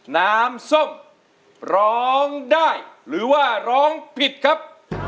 น้ำส้มร้องได้หรือว่าร้องผิดครับ